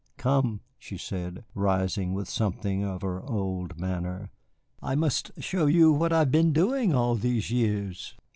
Come," she said, rising with something of her old manner, "I must show you what I have been doing all these years.